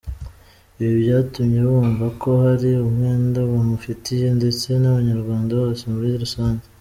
Ibi byatumye bumva ko hari umwenda bamufitiye ndetse n’Abanyarwanda bose muri rusange.